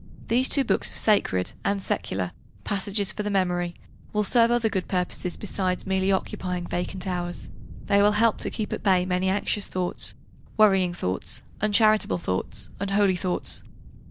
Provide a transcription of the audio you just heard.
These two books of sacred, and secular, passages for memory will serve other good purposes besides merely occupying vacant hours: they will help to keep at bay many anxious thoughts, worrying thoughts, uncharitable thoughts, unholy thoughts.